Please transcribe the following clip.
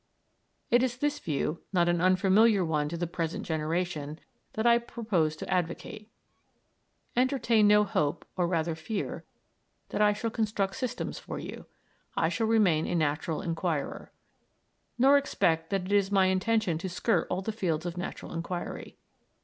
It is this view not an unfamiliar one to the present generation that I purpose to advocate. Entertain no hope, or rather fear, that I shall construct systems for you. I shall remain a natural inquirer. Nor expect that it is my intention to skirt all the fields of natural inquiry.